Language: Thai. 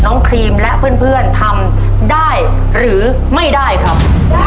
ครีมและเพื่อนทำได้หรือไม่ได้ครับ